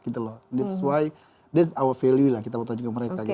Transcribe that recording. that's why that's our value lah kita mau tunjukin ke mereka gitu